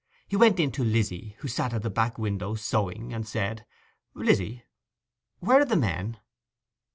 He went in to Lizzy, who sat at a back window sewing, and said, 'Lizzy, where are the men?